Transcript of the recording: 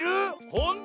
ほんと⁉